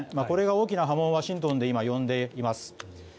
これが大きな波紋がワシントンで呼んでいます。